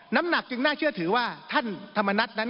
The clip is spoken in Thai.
น้ำหนักจึงน่าเชื่อถือว่าท่านธรรมนัฐนั้น